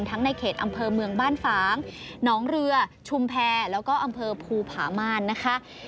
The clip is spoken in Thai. ในเขตอำเภอเมืองบ้านฝางหนองเรือชุมแพรแล้วก็อำเภอภูผาม่านนะคะ